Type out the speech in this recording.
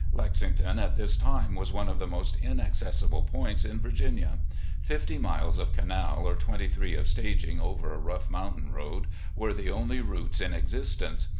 Lexington at this time was one of the most inaccessible points in Virginia. Fifty miles of canal, or twenty three of staging over a rough moimtain road, were the only routes in existence.